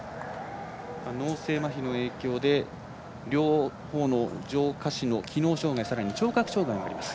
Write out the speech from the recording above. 脳性まひの影響で両方の上下肢の機能障がいさらに聴覚障がいもあります。